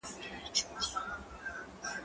زه شګه نه پاکوم؟